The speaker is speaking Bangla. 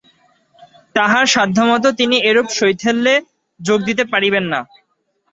তাঁহার সাধ্যমত তিনি এরূপ শৈথিল্যে যোগ দিতে পারিবেন না।